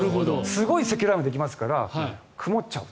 すごい積乱雲ができますから曇っちゃう。